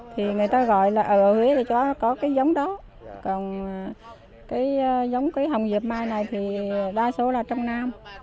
thì người ta gọi là ở huế thì có cái giống đó còn cái giống cái hồng dịp mai này thì đa số là trong nam